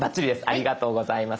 ありがとうございます。